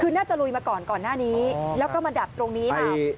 คือน่าจะลุยมาก่อนก่อนหน้านี้แล้วก็มาดับตรงนี้ค่ะ